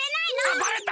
あバレた？